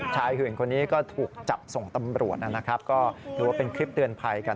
หื่นคนนี้ก็ถูกจับส่งตำรวจนะครับก็ถือว่าเป็นคลิปเตือนภัยกัน